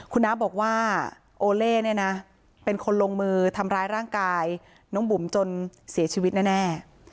คุณน้าบอกว่าโอเล่เนี่ยนะเป็นคนลงมือทำร้ายร่างกายน้องบุ๋มจนเสียชีวิตแน่